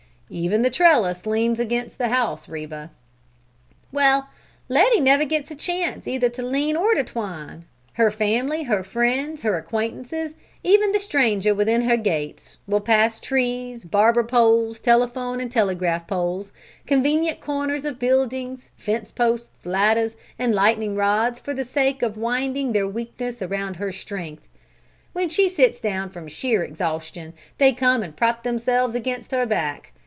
"Even the trellis leans against the house, Reba." "Well, Letty never gets a chance either to lean or to twine! Her family, her friends, her acquaintances, even the stranger within her gates, will pass trees, barber poles, telephone and telegraph poles, convenient corners of buildings, fence posts, ladders, and lightning rods for the sake of winding their weakness around her strength. When she sits down from sheer exhaustion, they come and prop themselves against her back.